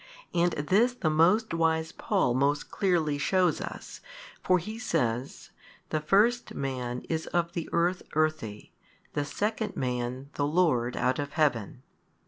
And this the most wise Paul most clearly shews us, for he says, The first man is of the earth earthy, the second Man the Lord 7 out of Heaven.